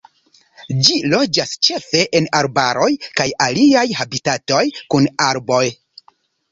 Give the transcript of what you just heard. Ĝi loĝas ĉefe en arbaroj kaj aliaj habitatoj kun arboj.